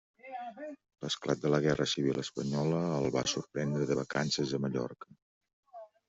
L'esclat de la guerra civil espanyola el va sorprendre de vacances a Mallorca.